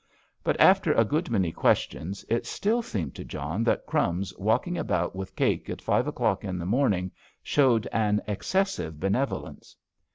But after a good many questions it still seemed to John that "Crumbs" walking about with cake at five o'clock in the morning showed an excessive benevolence.